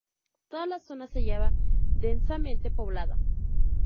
Toda la zona se hallaba densamente poblada.